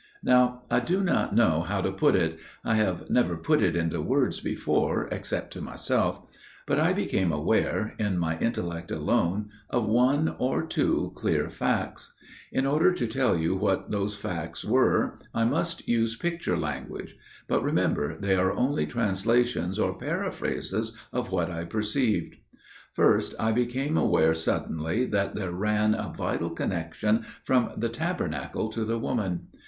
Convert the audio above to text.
"Now, I do not know how to put it––I have never put it into words before, except to myself––but I became aware, in my intellect alone, of one or two clear facts. In order to tell you what those facts were I must use picture language; but remember they are only translations or paraphrases of what I perceived. "First I became aware suddenly that there ran a vital connection from the Tabernacle to the woman.